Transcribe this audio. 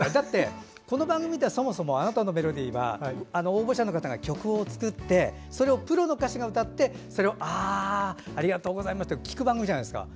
だってそもそも「あなたのメロディー」は応募者の方が曲を作ってそれをプロの歌手が歌ってそれを、ありがとうございますって聴く番組じゃないですか。